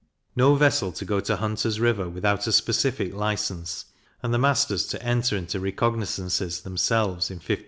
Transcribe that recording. No vessel to go to Hunter's River without a specific licence; and the masters to enter into recognizances, themselves in 50L.